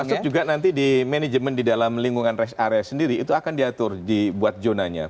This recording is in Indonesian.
termasuk juga nanti di manajemen di dalam lingkungan rest area sendiri itu akan diatur dibuat zonanya